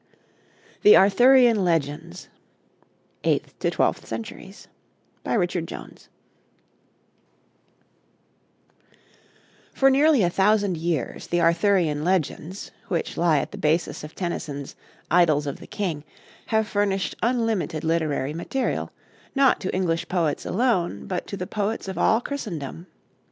THE ARTHURIAN LEGENDS (Eighth to Twelfth Centuries) BY RICHARD JONES For nearly a thousand years, the Arthurian legends, which lie at the basis of Tennyson's 'Idylls of the King,' have furnished unlimited literary material, not to English poets alone, but to the poets of all Christendom.